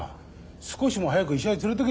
少しも早く医者へ連れてけ。